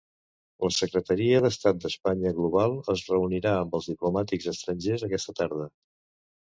La secretaria d'Estat d'Espanya Global es reunirà amb els diplomàtics estrangers aquesta tarda.